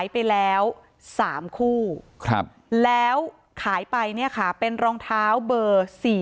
เป็นรองเท้าเบอร์๔๒